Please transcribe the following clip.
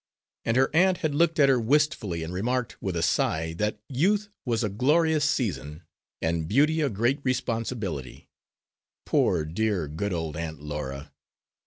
And her aunt had looked at her wistfully and remarked, with a sigh, that youth was a glorious season and beauty a great responsibility. Poor dear, good old Aunt Laura!